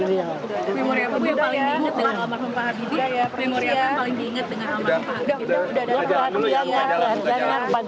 memoriya bu yang paling diingat dengan almarhum pak abidi